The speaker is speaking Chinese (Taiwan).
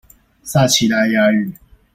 撒奇萊雅語